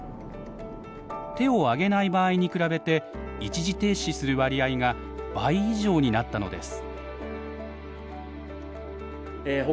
手を上げない場合に比べて一時停止する割合が倍以上になったのです。